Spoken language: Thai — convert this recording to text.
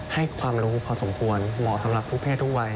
ให้ความรู้พอสมควรเหมาะสำหรับทุกเพศทุกวัย